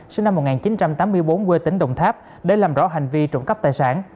sinh năm một nghìn chín trăm tám mươi bốn quê tỉnh đồng tháp để làm rõ hành vi trộm cắp tài sản